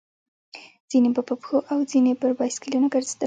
ځينې به په پښو او ځينې پر بایسکلونو ګرځېدل.